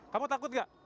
kamu takut gak